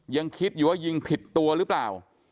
ยังคิดอยู่ว่ายิงผิดตัวหรือเปล่า